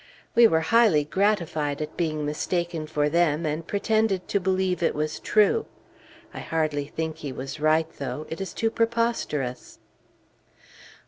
We were highly gratified at being mistaken for them, and pretended to believe it was true. I hardly think he was right, though; it is too preposterous.